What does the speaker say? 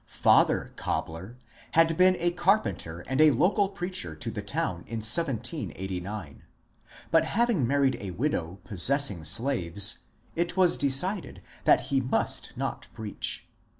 ^^ Father Cobler " had been a car penter and a local preacher to the town in 1789 ; but having married a widow possessing slaves, it was decided that he must not preach.